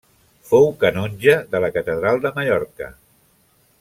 Fou canonge de la catedral de Mallorca.